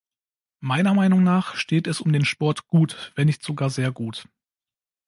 Meiner Meinung nach steht es um den Sport gut, wenn nicht sogar sehr gut.